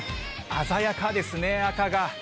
鮮やかですね、赤が。